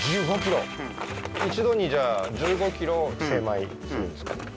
うん一度にじゃあ１５ｋｇを精米するんですね